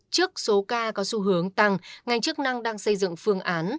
trước số ca có xu hướng tăng ngành chức năng đang xây dựng phương án